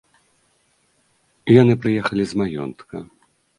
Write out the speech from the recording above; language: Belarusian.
Яны прыехалі з маёнтка.